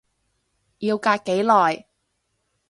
要隔幾耐？